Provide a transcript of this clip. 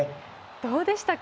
どうでしたか？